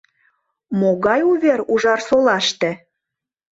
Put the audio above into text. Могай увер Ужарсолаште?